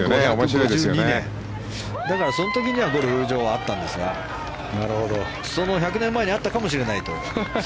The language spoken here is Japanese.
だから、その時にはゴルフ場はあったんですがその１００年前にあったかもしれないという。